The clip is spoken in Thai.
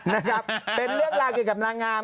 นะครับเป็นเรื่องราวเกี่ยวกับนางงาม